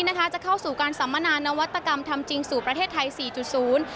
เราจะเข้าสู่การสำนานนวัตกรรมทำจริงสู่ประเทศไทย๔๐